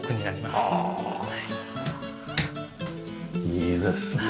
いいですねえ。